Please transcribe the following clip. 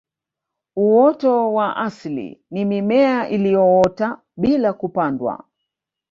uoto wa asili ni mimea iliyoota bila kupandwa